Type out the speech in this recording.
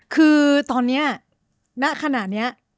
คือตอนนี้ณขณะนี้